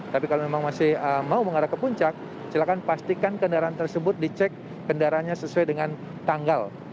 tapi kalau memang masih mau mengarah ke puncak silakan pastikan kendaraan tersebut dicek kendaraannya sesuai dengan tanggal